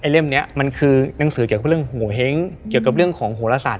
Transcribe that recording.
เรายังไม่รู้เลยว่าคืออะไร